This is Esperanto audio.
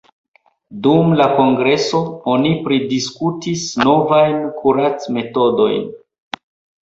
Dum la kongreso oni pridiskutis novajn kuracmetodojn.